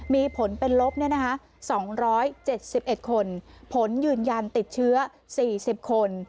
มีผลเป็นลบ๒๗๑คนผลยืนยันติดเชื้อ๔๐คน